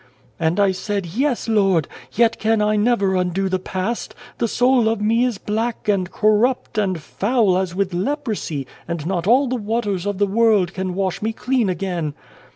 "And I said, ' Yes, Lord. Yet can I never undo the past. The soul of me is black and corrupt, and foul as with leprosy, and not all the waters of the world can wash me clean again.'